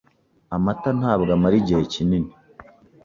Amata ntabwo amara igihe kinini.